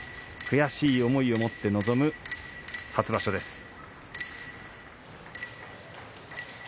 悔しい思いを持って臨む初場所です。